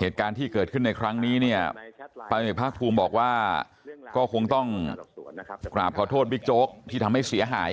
เหตุการณ์ที่เกิดขึ้นในครั้งนี้เนี่ยพันเอกภาคภูมิบอกว่าก็คงต้องกราบขอโทษบิ๊กโจ๊กที่ทำให้เสียหาย